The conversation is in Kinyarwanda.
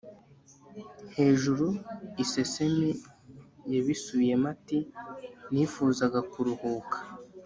hejuru. isesemi. yabisubiyemo ati nifuzaga kuruhuka